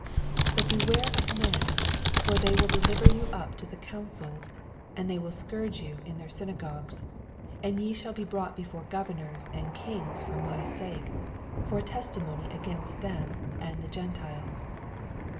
17 Bat beware of men : for they will deliver you up to the connolls, and they will sooni^ yon in their ayoagogues ; 18 And ye shall be brought before governors and kings for my sake, for a testimony against them and the Gentiles.